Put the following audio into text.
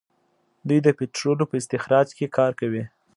دوی د پټرولو په استخراج کې کار کوي.